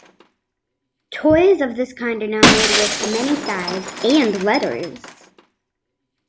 Toys of this kind are now made with many sides and letters.